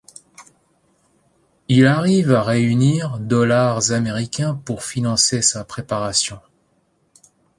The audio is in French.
Il arrive à réunir dollars américains pour financer sa préparation.